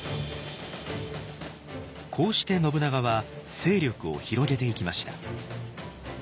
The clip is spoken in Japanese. こうして信長は勢力を広げていきました。